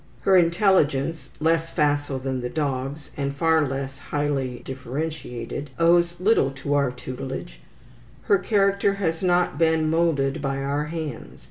Her intelligence, less facile than the dog's, and far less highly differentiated, owes little to our tutelage; her character has not been moulded by our hands.